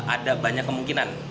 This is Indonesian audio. ada banyak kemungkinan